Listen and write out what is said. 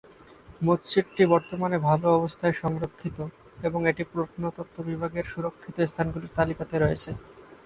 মসজিদটি বর্তমানে ভাল অবস্থায় সংরক্ষিত, এবং এটি প্রত্নতত্ত্ব বিভাগের সুরক্ষিত স্থানগুলির তালিকাতে রয়েছে।